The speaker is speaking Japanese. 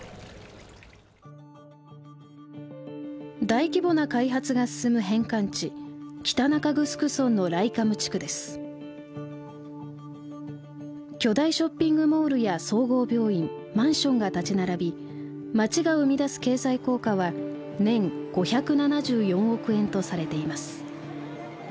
大規模な開発が進む返還地巨大ショッピングモールや総合病院マンションが立ち並び街が生み出す経済効果は年５７４億円とされています。